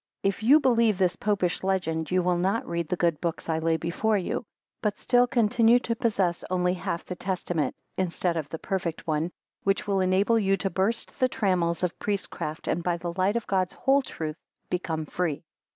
If you believe this popish legend, you will not read the good books I lay before you, but still continue to possess only HALF THE TESTAMENT, instead of the PERFECT ONE, which will enable you to burst the trammels of priestcraft, and by the light of God's whole truth become free.